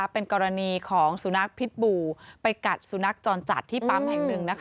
เป็นกรณีของสุนัขพิษบู่ไปกัดสุนัขจรจัดที่ปั๊มแห่งหนึ่ง